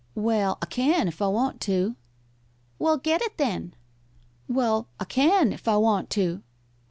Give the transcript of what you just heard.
"Well, I can, if I want to." "Well, get it, then!" "Well, I can, if I want to."